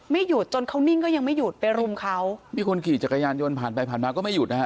หยุดจนเขานิ่งก็ยังไม่หยุดไปรุมเขามีคนขี่จักรยานยนต์ผ่านไปผ่านมาก็ไม่หยุดนะฮะ